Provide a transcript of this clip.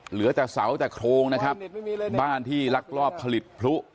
เหลือแต่เสาแต่โครงนะครับบ้านที่ลักลอบผลิตพลุ